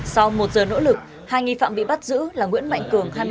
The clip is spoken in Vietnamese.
sau một giờ nỗ lực hai nghi phạm bị bắt giữ là nguyễn mạnh cường